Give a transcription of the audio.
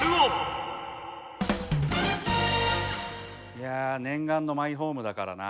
いや念願のマイホームだからな。